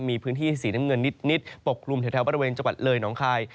มีพื้นที่สีน้ำเงินนิดปกคลุมแถวบริเวณจังหวัดเลยหนองคาย